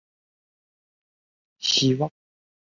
参考频率分析。